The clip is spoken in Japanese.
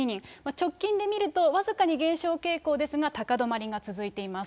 直近で見ると僅かに減少傾向ですが、高止まりが続いています。